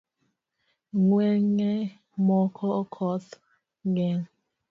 Ngwenge moko koth ng’enye